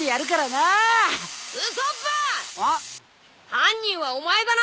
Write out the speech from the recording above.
犯人はお前だな。